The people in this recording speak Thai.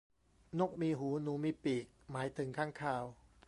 นกมีหูหนูมีปีก หมายถึงค้างคาว